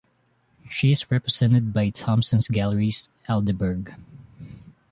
She is represented by Thompson's Galleries Aldeburgh.